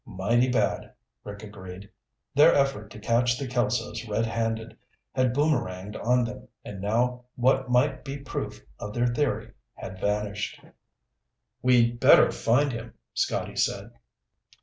"Mighty bad," Rick agreed. Their effort to catch the Kelsos red handed had boomeranged on them and now what might be proof of their theory had vanished. "We'd better find him," Scotty said.